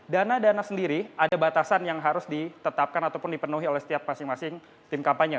dana dana sendiri ada batasan yang harus ditetapkan ataupun dipenuhi oleh setiap masing masing tim kampanye